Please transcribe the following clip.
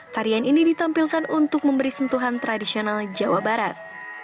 tarian ini ditampilkan untuk memberi sentuhan tradisional jawa barat